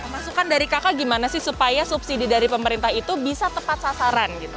masukan dari kakak gimana sih supaya subsidi dari pemerintah itu bisa tepat sasaran gitu